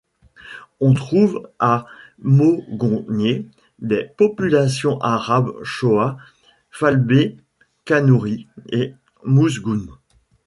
On trouve à Mogongné des populations arabes Choa, Foulbé, Kanouri et Mousgoum.